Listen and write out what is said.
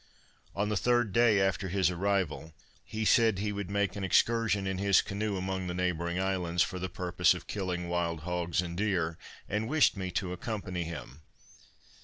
On the third day after his arrival, he said he would make an excursion in his canoe among the neighboring islands, for the purpose of killing wild hogs and deer, and wished me to accompany him.